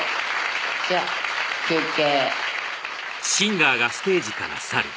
じゃ休憩。